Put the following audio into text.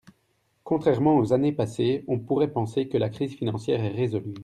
Contrairement aux années passées, on pourrait penser que la crise financière est résolue.